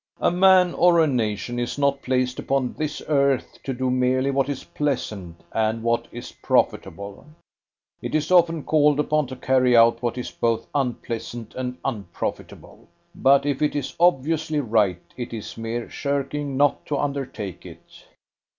A man or a nation is not placed upon this earth to do merely what is pleasant and what is profitable. It is often called upon to carry out what is both unpleasant and unprofitable, but if it is obviously right it is mere shirking not to undertake it."